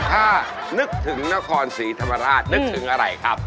ถ้านึกถึงนครศรีธรรมราชนึกถึงอะไรครับ